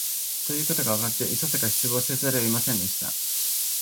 ということがわかって、いささか失望せざるを得ませんでした